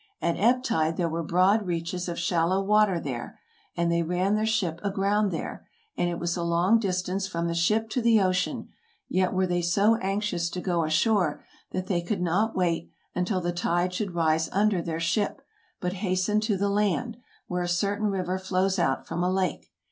At ebb tide there were broad reaches of shallow water there, and they ran their ship aground there, and it was a long dis tance from the ship to the ocean ; yet were they so anxious to go ashore that they could not wait until the tide should rise under their ship, but hastened to the land, where a cer tain river flows out from a lake.